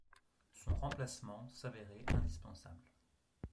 Son remplacement s'avérait indispensable.